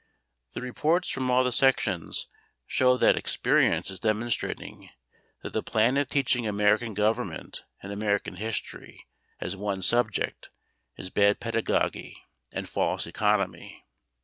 The reports from all the sections show that experience is demonstrating that the plan of teaching American Government and American History as one subject is bad pedagogy and false economy.